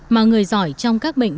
mà người giỏi trong các bệnh